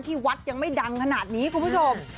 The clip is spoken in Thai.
ที่วัดยังไม่ดังขนาดนี้คุณผู้ชม